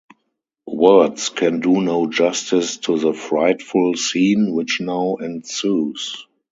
Words can do no justice to the frightful scene which now ensues.